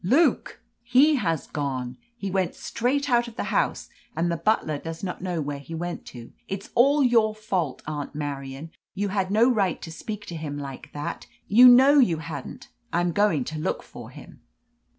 "Luke! He has gone! He went straight out of the house, and the butler does not know where he went to! It is all your fault, Aunt Marian; you had no right to speak to him like that! You know you hadn't. I am going to look for him."